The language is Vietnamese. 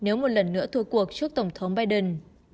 nếu một lần nữa thu cuộc trước tổng thống biden